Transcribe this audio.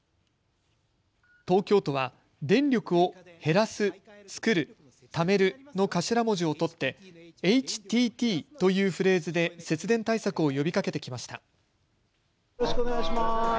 東京都は電力をへらす、つくる、ためるの頭文字をとってＨＴＴというフレーズで節電対策を呼びかけてきました。